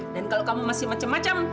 dan kalau kamu masih macem macem